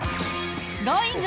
Ｇｏｉｎｇ！